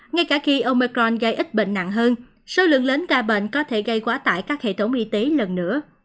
ngay cả khi ôngecron gây ít bệnh nặng hơn số lượng lớn ca bệnh có thể gây quá tải các hệ thống y tế lần nữa